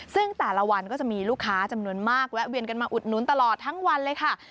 ซึ่งแต่ละวันก็จะมีลูกค้าจำนวนมากแวะเวียนกันมาอุดหนุนตลอดทั้งวันเลยค่ะ